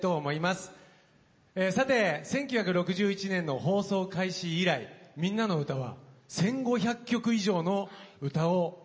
さて１９６１年の放送開始以来「みんなのうた」は１５００曲以上の歌を生んできました。